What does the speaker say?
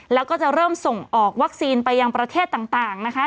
แล้วก็จะเริ่มส่งออกวัคซีนไปยังประเทศต่างนะคะ